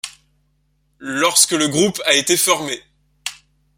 Lorsque le groupe a été formé.